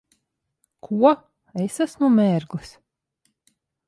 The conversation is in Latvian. Ko? Es esmu mērglis?